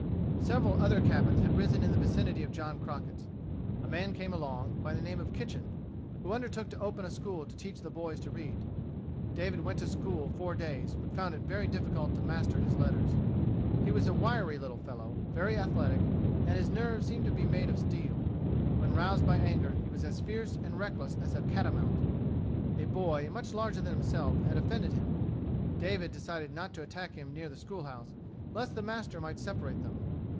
Several other cabins had risen in the vicinity of John Crockett's. A man came along, by the name of Kitchen, who undertook to open a school to teach the boys to read. David went to school four days, but found it very difficult to master his letters. He was a wiry little fellow, very athletic, and his nerves seemed made of steel. When roused by anger, he was as fierce and reckless as a catamount. A boy, much larger than himself, had offended him. David decided not to attack him near the school house, lest the master might separate them.